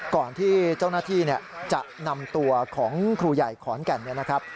ก่อนที่เจ้าหน้าที่จะนำตัวของครูใหญ่ขอนแก่นเนี่ยนะครับ